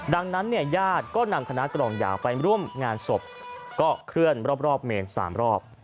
ดังนั้นเนี่ยญาติก็นำคณะกล่องยาวไปร่วมงานศพก็เคลื่อนรอบเมน๓รอบ